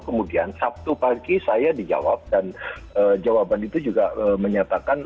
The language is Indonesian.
kemudian sabtu pagi saya dijawab dan jawaban itu juga menyatakan